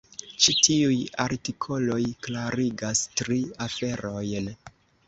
Ĉi tiuj artikoloj klarigas tri aferojn.